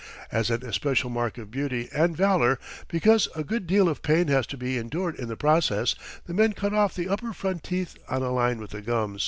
As an especial mark of beauty and valour, because a good deal of pain has to be endured in the process, the men cut off the upper front teeth on a line with the gums.